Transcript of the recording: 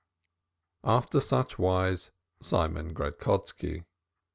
After such wise Simon Gradkoski.